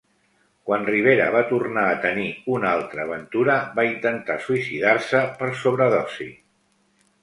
Quan Rivera va tornar a tenir una altra aventura, va intentar suïcidar-se per sobredosi.